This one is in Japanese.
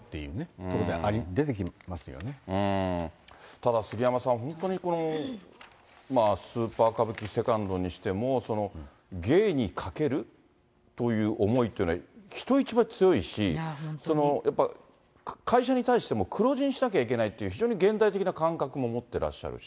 ただ杉山さん、本当にこのスーパー歌舞伎セカンドにしても、芸にかけるという思いというのは人一倍強いし、やっぱ、会社に対しても、黒字にしなきゃいけないっていう、非常に現代的な感覚も持ってらっしゃるし。